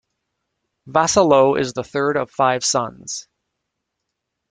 Vassallo is the third of five sons.